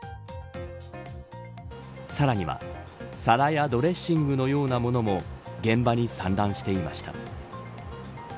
さらには、皿やドレッシングのような物も現場に散乱していました。